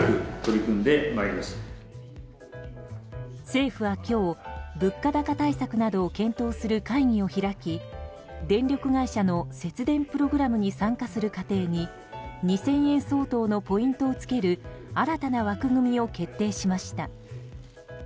政府は今日、物価高対策などを検討する会議を開き電力会社の節電プログラムに参加する家庭に２０００円相当のポイントをつける新たな枠組みを決定しました。